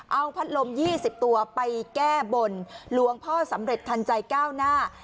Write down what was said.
เอาพัดลม๒๐ตัวไปแก้บนหลวงพ่อสำเร็จทันใจก้าวหน้า